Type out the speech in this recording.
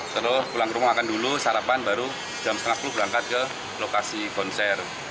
terus pulang ke rumah makan dulu sarapan baru jam setengah sepuluh berangkat ke lokasi konser